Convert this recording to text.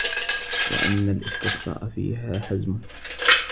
وَأَنَّ الِاسْتِقْصَاءَ فِيهَا حَزْمٌ